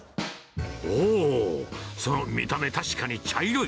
おー、その見た目、確かに茶色い。